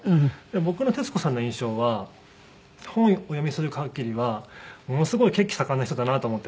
僕の徹子さんの印象は本をお読みするかぎりはものすごい血気盛んな人だなと思ってて。